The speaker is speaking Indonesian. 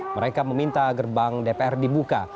mereka meminta gerbang dpr dibuka